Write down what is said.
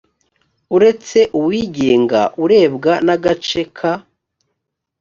uretse uwigenga urebwa n agace ka